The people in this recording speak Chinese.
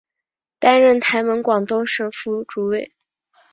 担任台盟广东省副主委。